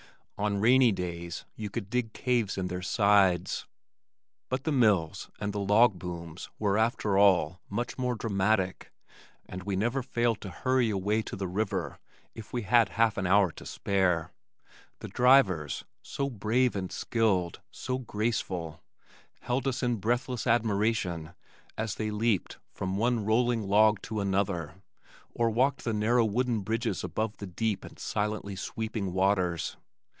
On rainy days you could dig caves in their sides. But the mills and the log booms were after all much more dramatic and we never failed to hurry away to the river if we had half an hour to spare. The "drivers," so brave and skilled, so graceful, held us in breathless admiration as they leaped from one rolling log to another, or walked the narrow wooden bridges above the deep and silently sweeping waters.